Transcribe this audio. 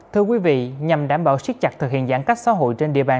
thưa quý vị nhằm đảm bảo siết chặt thực hiện giãn cách xã hội trên địa bàn